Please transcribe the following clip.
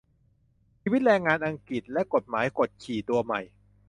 ชีวิตแรงงานอังกฤษ และกฎหมายกดขี่ตัวใหม่